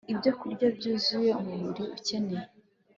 ibyokurya byuzuye umubiri ukeneye